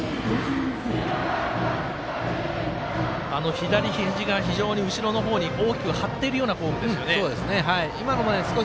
左ひじが非常に後ろの方に大きく張っているようなフォームですよね。